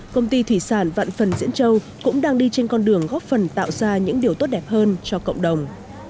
công ty thủy sản vạn phần diễn châu cũng đang đi trên con đường góp phần tạo ra những điều tốt đẹp hơn cho cộng đồng